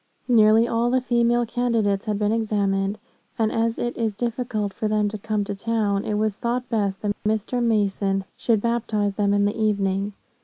Nearly all the female candidates had been examined, and as it is difficult for them to come to town, it was thought best that Mr. Mason should baptize them in the evening.